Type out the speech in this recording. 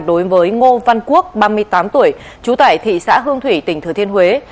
đối với ngô văn quốc ba mươi tám tuổi trú tại thị xã hương thủy tỉnh thừa thiên huế